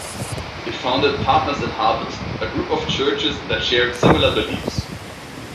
It founded Partners in Harvest, a group of churches that shared similar beliefs.